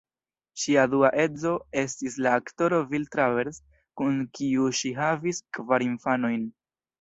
Ŝia dua edzo estis la aktoro Bill Travers, kun kiu ŝi havis kvar infanojn.